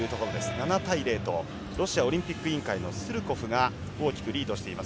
７対０とロシアオリンピック委員会のスルコフが大きくリードしています。